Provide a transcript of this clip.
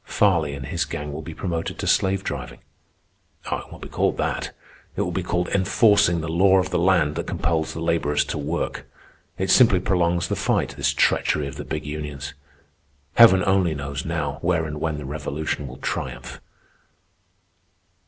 Farley and his gang will be promoted to slave driving. Oh, it won't be called that; it will be called enforcing the law of the land that compels the laborers to work. It simply prolongs the fight, this treachery of the big unions. Heaven only knows now where and when the Revolution will triumph."